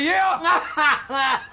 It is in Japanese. アハハハハ！